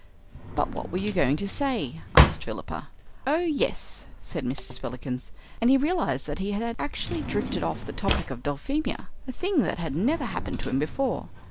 "But what were you going to say?" asked Philippa. "Oh yes," said Mr. Spillikins. And he realized that he had actually drifted off the topic of Dulphemia, a thing that had never happened to him before.